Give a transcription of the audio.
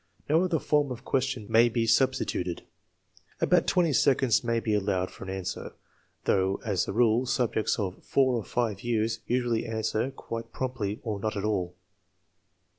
No other form of question may be substituted. About twenty seconds may be allowed for an answer, though as a rule subjects of 4 or 5 years usually answer quite promptly or not at all.